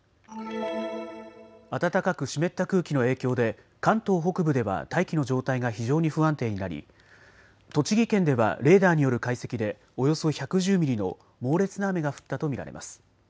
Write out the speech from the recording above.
暖かく湿った空気の影響で関東北部では大気の状態が非常に不安定になり栃木県ではレーダーによる解析でおよそ１１０ミリの猛烈な雨が降ったと見られます。